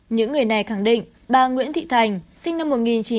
những người này khẳng định bà nguyễn thị thành sinh năm một nghìn chín trăm sáu mươi tám